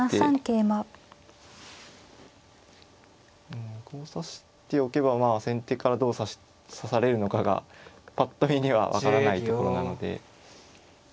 うんこう指しておけばまあ先手からどう指されるのかがぱっと見には分からないところなので。